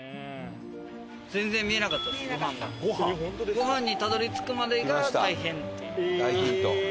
ご飯にたどり着くまでが大変っていう。